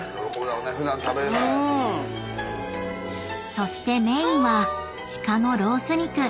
［そしてメインはシカのロース肉］